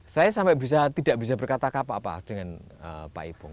saya sampai tidak bisa berkata apa apa dengan pak ipung